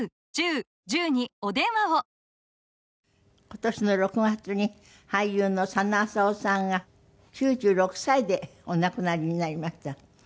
今年の６月に俳優の佐野浅夫さんが９６歳でお亡くなりになりました。